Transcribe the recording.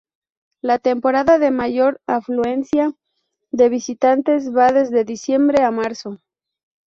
La temporada de mayor afluencia de visitantes va desde diciembre a marzo.